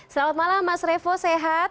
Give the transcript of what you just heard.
selamat malam mas revo sehat